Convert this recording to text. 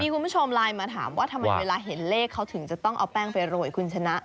คุณผู้ชมไลน์มาถามว่าทำไมเวลาเห็นเลขเขาถึงจะต้องเอาแป้งไปโรยคุณชนะ